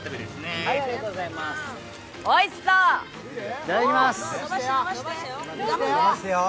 いただきます！